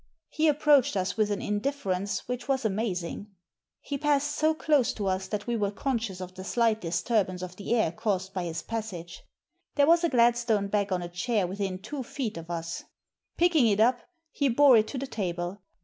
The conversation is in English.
He approached us with an indifference which was amazing. He passed so close to us that we were conscious of the slight disturbance of the air caused by his passage. There was a Gladstone bag on a chair within two feet of us. Picking it up, he bore it to the table.